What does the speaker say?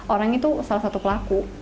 orang itu salah satu pelaku